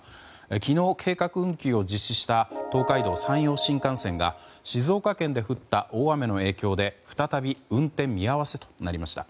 昨日、計画運休を実施した東海道・山陽新幹線が静岡県で降った大雨の影響で再び運転見合わせとなりました。